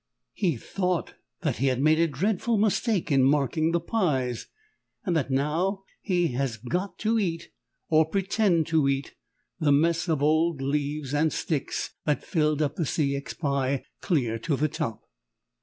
He thought that he had made a dreadful mistake in marking the pies, and that now he had got to eat or pretend to eat the mess of old leaves and sticks that filled up the C. X. pie clear to the top.